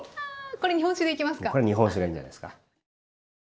これ日本酒がいいんじゃないですか。